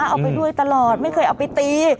เอาไปด้วยตลอดไม่เคยเอาไปตี